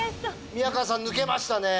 宮川さん抜けましたね。